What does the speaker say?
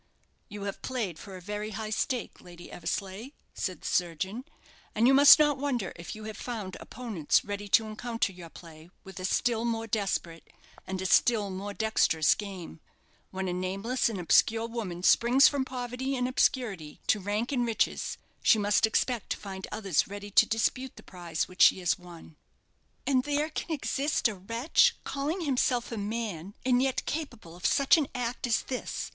"You have played for a very high stake, Lady Eversleigh," said the surgeon; "and you must not wonder if you have found opponents ready to encounter your play with a still more desperate, and a still more dexterous game. When a nameless and obscure woman springs from poverty and obscurity to rank and riches, she must expect to find others ready to dispute the prize which she has won." "And there can exist a wretch calling himself a man, and yet capable of such an act as this!"